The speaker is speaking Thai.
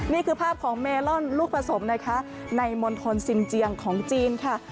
นี่คือภาพของเมลอนลูกผสมนะคะในมณฑลซิมเจียงของจีนค่ะ